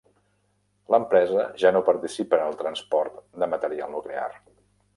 L'empresa ja no participa en el transport de material nuclear.